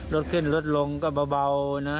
รถขึ้นรถลงก็เบานะ